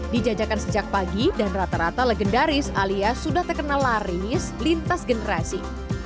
dijajakan sejak pagi dan rata rata legendaris alias sudah terkenal laris lintas generasi